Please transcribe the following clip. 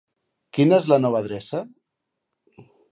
Quina és la nova adreça?